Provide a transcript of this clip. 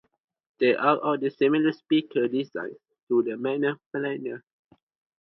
There are other similar speaker designs to the Magneplanar.